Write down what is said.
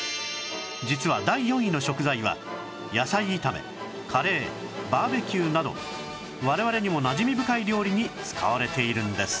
実は第４位の食材は野菜炒めカレーバーベキューなど我々にもなじみ深い料理に使われているんです